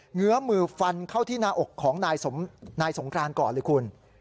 เหงือมือฟันเข้าที่หน้าอกของนายสงครานก่อนเลยคุณ